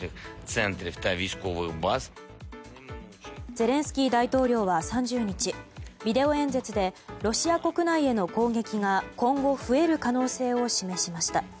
ゼレンスキー大統領は３０日、ビデオ演説でロシア国内への攻撃が今後増える可能性を示しました。